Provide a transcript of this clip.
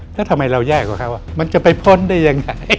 แล้วทำไมเราแย่กว่าเขามันจะไปพ้นได้ยังไง